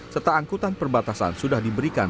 serta angkutan perbatasan sudah diberikan